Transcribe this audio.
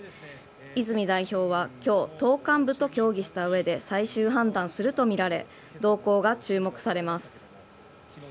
泉代表は今日党幹部と協議した上で最終判断するとみられ動向が注目されます。